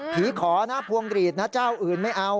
ขอนะพวงหลีดนะเจ้าอื่นไม่เอา